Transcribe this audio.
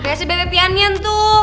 biaya cbp pianian tuh